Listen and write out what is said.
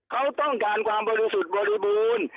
เขาต้องการความบริสุทธิ์บริบูรณ์